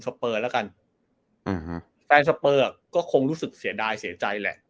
เปอร์แล้วกันอืมแฟนสเปอร์อ่ะก็คงรู้สึกเสียดายเสียใจแหละ